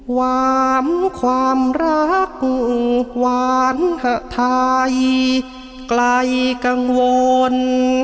หวามความรักหวานทายใกล้กังวล